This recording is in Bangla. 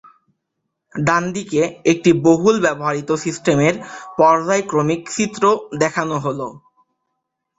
ডানদিকে একটি বহুল ব্যবহৃত সিস্টেমের পর্যায়ক্রমিক চিত্র দেখানো হল।